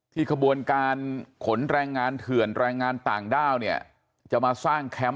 ที่กระบวนการขนแรงงานเถื่อนแรงงานต่างด้าวจะมาสร้างแคมป์